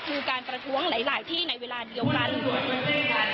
คือการประท้วงหลายที่ในเวลาเดียวกัน